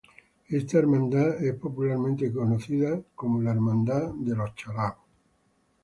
Esta Hermandad es popularmente conocida como Hermandad de La Soledad.